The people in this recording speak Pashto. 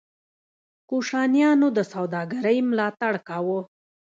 کوشانیانو د سوداګرۍ ملاتړ کاوه